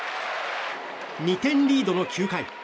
２点リードの９回。